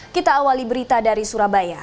kita awali berita dari surabaya